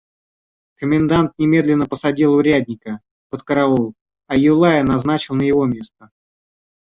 Комендант немедленно посадил урядника под караул, а Юлая назначил на его место.